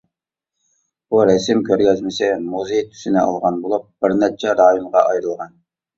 بۇ رەسىم كۆرگەزمىسى مۇزېي تۈسىنى ئالغان بولۇپ ، بىر قانچە رايونغا ئايرىلغان.